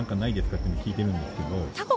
っていうのを聞いてるんですけどタコ？